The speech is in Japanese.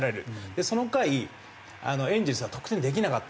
でその回エンゼルスは得点できなかったんですよ。